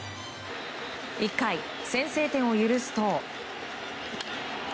１回、先制点を許すと。